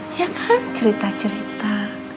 iya kan cerita cerita